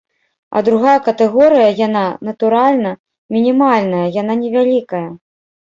А другая катэгорыя, яна, натуральна, мінімальная, яна невялікая.